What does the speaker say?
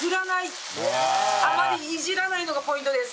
あまりいじらないのがポイントです。